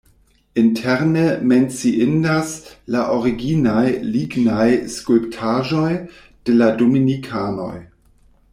Interne menciindas la originaj lignaj skulptaĵoj de la dominikanoj.